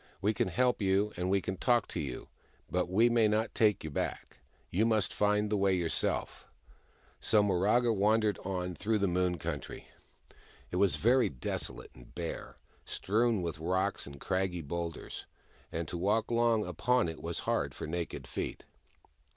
" We can help you, and we can talk to you, but we may not take you back. You must find the way yourself." So Miraga wandered on through the Moon Country. It was very desolate and bare, strewn with rocks and craggy boulders, and to walk long upon it was hard for naked feet.